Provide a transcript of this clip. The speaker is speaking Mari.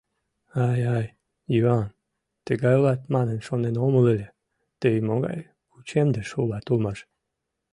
Ай-ай, Йыван, тыгай улат манын шонен омыл ыле, тый могай кӱчемдыш улат улмаш.